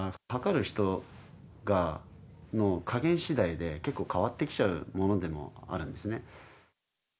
計る人の加減しだいで、結構変わってきちゃうものでもあるんです